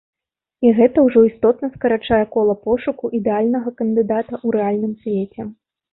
І гэта ўжо істотна скарачае кола пошуку ідэальнага кандыдата ў рэальным свеце.